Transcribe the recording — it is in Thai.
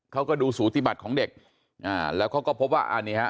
เขาก็ดูสูติบัติของเด็กอ่าแล้วเขาก็พบว่าอันนี้ฮะ